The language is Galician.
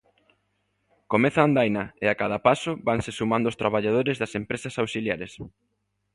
Comeza a andaina e a cada paso vanse sumando os traballadores das empresas auxiliares.